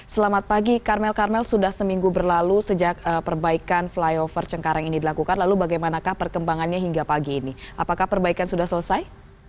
selamat pagi karmel karmel sudah seminggu berlalu sejak perbaikan flyover cengkareng ini dilakukan lalu bagaimanakah perkembangannya hingga pagi ini apakah perbaikan sudah selesai